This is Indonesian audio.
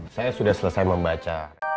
saya sudah selesai membaca